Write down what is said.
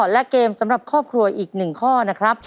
และเกมสำหรับครอบครัวอีก๑ข้อนะครับ